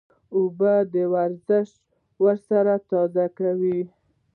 اوبه د ورزش وروسته تازه کوي